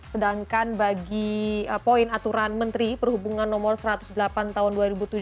sedangkan bagi poin aturan menteri perhubungan no satu ratus delapan tahun dua ribu tujuh belas